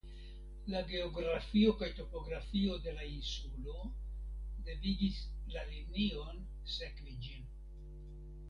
La geografio kaj topografio de la insulo devigis la linion sekvi ĝin.